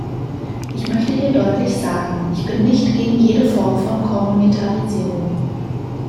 Ich möchte hier deutlich sagen, ich bin nicht gegen jede Form von Kommunitarisierung.